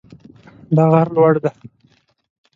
دا غر لوړ ده